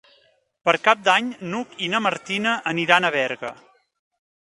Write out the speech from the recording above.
Per Cap d'Any n'Hug i na Martina aniran a Berga.